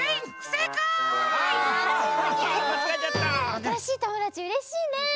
あたらしいともだちうれしいね！